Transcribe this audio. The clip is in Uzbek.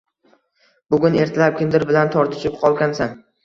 Bugun ertalab kimdir bilan tortishib qolgansan